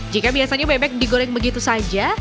jika biasanya bebek digoreng begitu saja